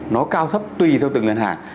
nó cao thấp tùy theo từng ngân hàng